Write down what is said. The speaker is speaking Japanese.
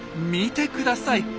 見てください！